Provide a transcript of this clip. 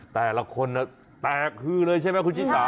แต่ละคนแตกขึ้นเลยใช่ไหมคุณชิคกี้พาย